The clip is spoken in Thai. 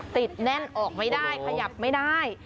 ติดแน่นออกไม่ได้ขยับไม่ได้